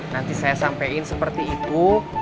nanti saya sampaikan seperti itu